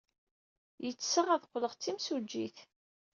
Ɣetseɣ ad qqleɣ d timsujjit.